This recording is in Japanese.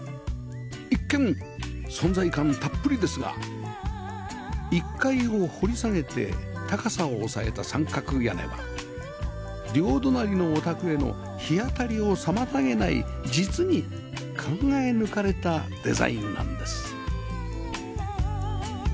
一見存在感たっぷりですが１階を掘り下げて高さを抑えた三角屋根は両隣のお宅への日当たりを妨げない実に考え抜かれたデザインなんです